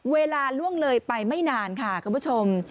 เวลาล่วงเลยไปไม่นานค่ะคุณผู้ชม